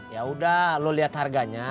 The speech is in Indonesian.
yaudah lo liat harganya